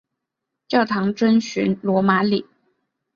教堂遵循罗马礼。